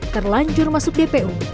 terlanjur masuk dpu